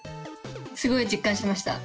すごい実感しました。